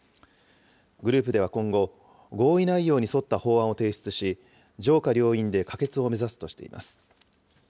グループでは今後、合意内容に沿った法案を提出し、上下両院で可決を目指すとしています。